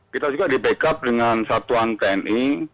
kita juga di backup dengan satuan tni